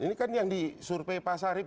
ini kan yang disurvey pak sarif